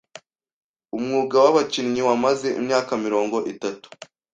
Umwuga wabakinnyi wamaze imyaka mirongo itatu.